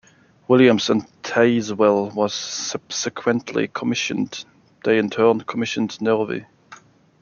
Williams and Tazewell was subsequently commissioned; they in turn commissioned Nervi.